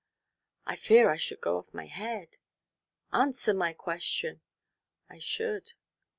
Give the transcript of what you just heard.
"I fear I should go off my head " "Answer my question." "I should."